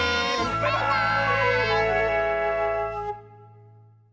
バイバーイ！